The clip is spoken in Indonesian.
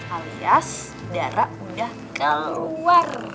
alias dara udah keluar